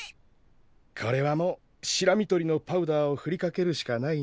これはもうシラミ取りのパウダーをふりかけるしかないな。